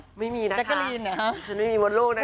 ฉันไม่มีนะคะฉันไม่มีมดลูกนะคะ